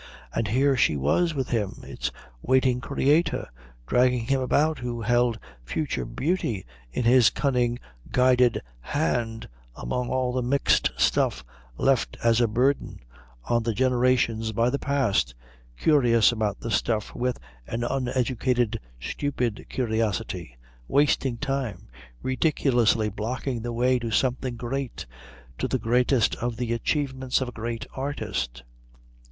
And here she was with him, its waiting creator, dragging him about who held future beauty in his cunning guided hand among all the mixed stuff left as a burden on the generations by the past, curious about the stuff with an uneducated stupid curiosity, wasting time, ridiculously blocking the way to something great, to the greatest of the achievements of a great artist.